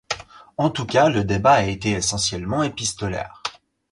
En tout cas le débat a été essentiellement épistolaire.